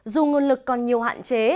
dù nguồn lực còn nhiều hạn chế